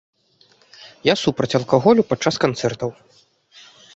Я супраць алкаголю падчас канцэртаў.